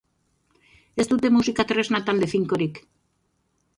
Ez dute musika tresna talde finkorik.